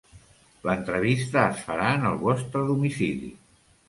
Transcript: L'entrevista es farà en el vostre domicili.